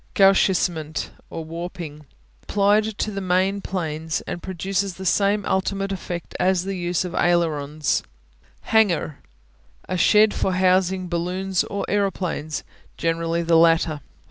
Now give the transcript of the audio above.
Gauchissement (or warping) Applied to the main planes and produces the same ultimate effect as the use of ailerons. Hangar (hang'ar) A shed for housing balloons or aeroplanes, generally the latter.